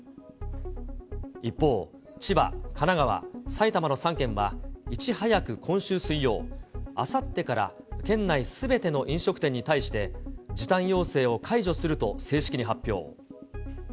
一方、千葉、神奈川、埼玉の３県は、いち早く今週水曜、あさってから県内すべての飲食店に対して、時短要請を解除すると正式に発表。